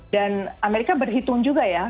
dan amerika berhitung juga ya